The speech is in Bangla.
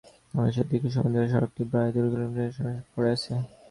অথচ দীর্ঘ সময় ধরে সড়কটির প্রায় দুই কিলোমিটার অংশ সংস্কারবিহীন পড়ে আছে।